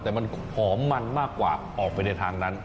แต่มันหอมมันมากกว่าออกไปในทางนั้น